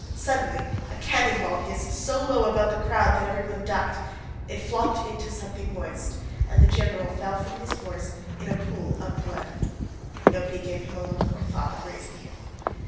Suddenly a cannon ball hissed so low above the crowd that everyone ducked. It flopped into something moist, and the general fell from his horse in a pool of blood. Nobody gave him a look or thought of raising him.